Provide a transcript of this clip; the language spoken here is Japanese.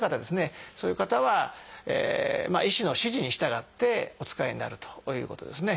そういう方は医師の指示に従ってお使いになるということですね。